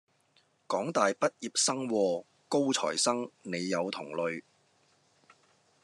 港大畢業喎，高材生，你有同類